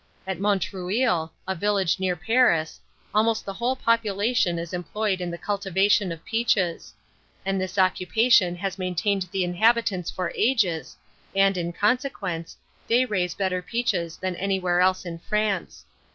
At Montreuil, a village near Paris, almost the whole population is employed in the cultivation of peaches; and this occupation has maintained the inhabitants for ages, and, in consequence, they raise better peaches than anywhere else in France.